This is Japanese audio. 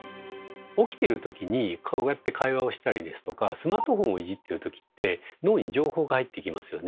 起きてる時にこうやって会話をしたりですとかスマートフォンをいじってる時って脳に情報が入ってきますよね。